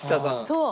そう！